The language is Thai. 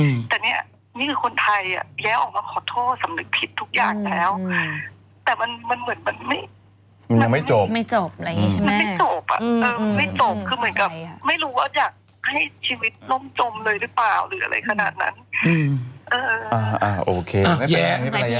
ไม่จบไม่รู้ว่าอยากให้ชีวิตน้มจมเลยหรือเปล่าหรืออะไรขนาดนั้น